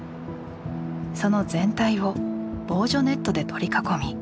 その全体を「防除ネット」で取り囲み